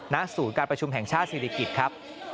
ณสูตรการประชุมแห่งชาติศิลปิศาสตร์ครับ